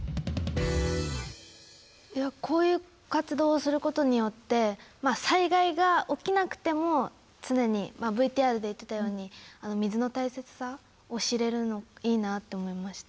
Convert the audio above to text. こういう活動をすることによって災害が起きなくても常にＶＴＲで言ってたように水の大切さを知れるのいいなって思いました。